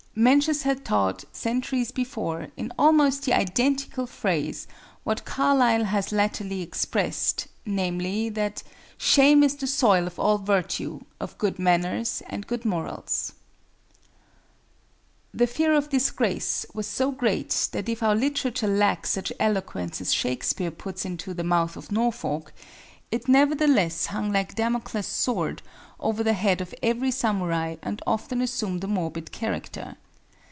Mencius had taught centuries before, in almost the identical phrase, what Carlyle has latterly expressed,—namely, that "Shame is the soil of all Virtue, of good manners and good morals." The fear of disgrace was so great that if our literature lacks such eloquence as Shakespeare puts into the mouth of Norfolk, it nevertheless hung like Damocles' sword over the head of every samurai and often assumed a morbid character.